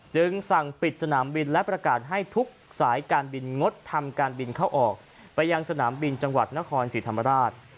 จึงสั่งปิดสนามบินและประกาศให้ทุกสายการบินงดทำการบินเข้าออกไปยังสนามบินจังหวัดนครศรีธรรมราช